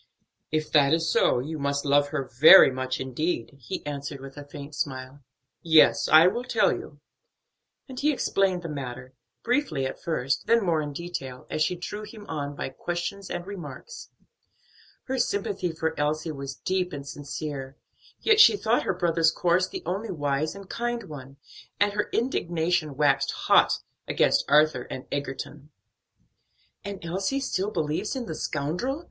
"If that is so, you must love her very much indeed," he answered with a faint smile. "Yes, I will tell you." And he explained the matter; briefly at first, then more in detail, as she drew him on by questions and remarks. Her sympathy for Elsie was deep and sincere; yet she thought her brother's course the only wise and kind one, and her indignation waxed hot against Arthur and Egerton. "And Elsie still believes in the scoundrel?"